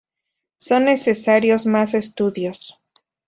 Son necesarios más estudios.